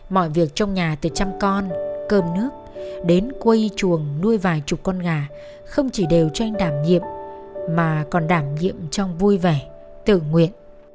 mọi việc trong nhà từ chăm con cơm nước đến quây chuồng nuôi vài chục con gà không chỉ đều cho anh đảm nhiệm mà còn đảm nhiệm trong vui vẻ tự nguyện